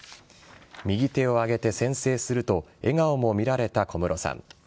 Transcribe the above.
右手を上げて宣誓すると笑顔も見られた小室さん。